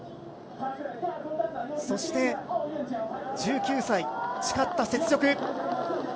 そして、１９歳、誓った雪辱。